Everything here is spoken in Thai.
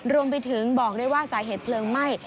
รวมไปถึงบอกด้วยว่าสาเหตุเพลิงไหม้